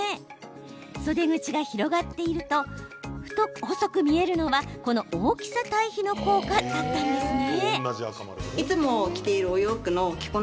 袖口が広がっていると細く見えるのはこの大きさ対比の効果だったんですね。